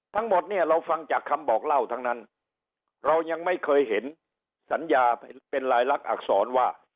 ทั้งหมดเนี่ยเราฟังจากคำบอกเล่าทั้งนั้นเรายังไม่เคยเห็นสัญญาเป็นรายลักษณอักษรว่า